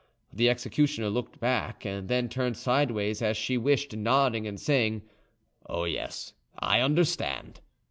The executioner looked back, and then turned sideways as she wished, nodding and saying, "Oh yes, I understand."